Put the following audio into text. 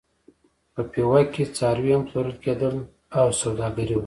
په پېوه کې څاروي هم پلورل کېدل او سوداګري وه.